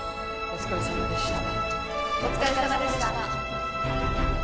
お疲れさまでした。